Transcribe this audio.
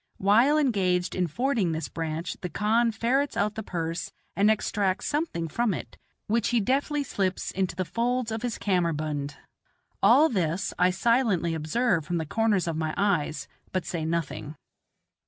While engaged in fording this branch the khan ferrets out the purse and extracts something from it, which he deftly slips into the folds of his kammerbund. All this I silently observe from the corners of my eyes, but say nothing.